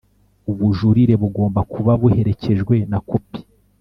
ubujurire bugomba kuba buherekejwe na kopi